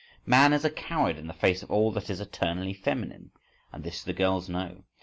—Man is a coward in the face of all that is eternally feminine, and this the girls know.